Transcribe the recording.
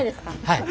はい。